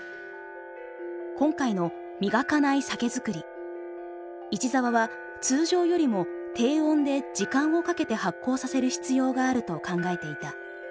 今回の磨かない酒造り市澤は通常よりも低温で時間をかけて発酵させる必要があると考えていた。